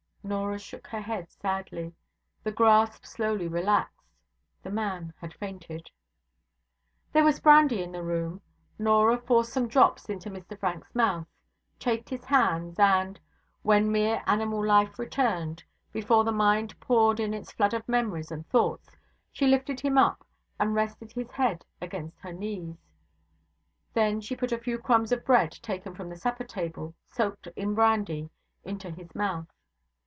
Norah shook her head sadly. The grasp slowly relaxed. The man had fainted. There was brandy in the room. Norah forced some drops into Mr Frank's mouth, chafed his hands, and when mere animal life returned, before the mind poured in its flood of memories and thoughts she lifted him up, and rested his head against her knees. Then she put a few crumbs of bread taken from the supper table, soaked in brandy, into his mouth.